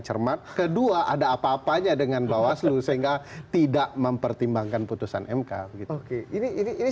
cermat kedua ada apa apanya dengan bawaslu sehingga tidak mempertimbangkan putusan mk gitu oke ini